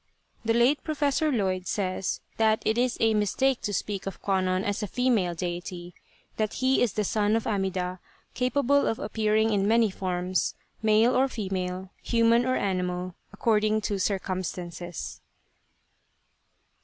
The late Professor Lloyd says that it is a mistake to speak of Kwannon as a female deity, that he is the son of Amida, capable of appearing in many forms, male or female, human or animal, according to circumstances.